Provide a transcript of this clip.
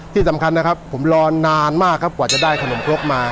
ที่สำคัญนะครับผมรอนานมากครับกว่าจะได้ขนมครกมา